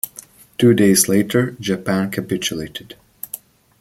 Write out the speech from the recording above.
Two days later, Japan capitulated.